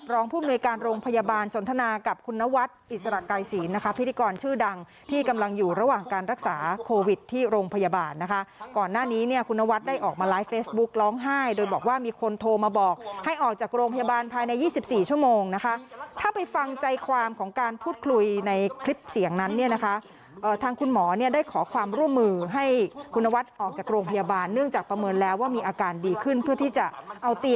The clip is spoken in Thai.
โรงพยาบาลนะคะก่อนหน้านี้เนี่ยคุณนวัดได้ออกมาไลฟ์เฟสบุ๊คร้องไห้โดยบอกว่ามีคนโทรมาบอกให้ออกจากโรงพยาบาลภายใน๒๔ชั่วโมงนะคะถ้าไปฟังใจความของการพูดคุยในคลิปเสียงนั้นเนี่ยนะคะทางคุณหมอเนี่ยได้ขอความร่วมมือให้คุณนวัดออกจากโรงพยาบาลเนื่องจากประเมินแล้วว่ามีอาการดีขึ้นเพื่อที่จะเอาเ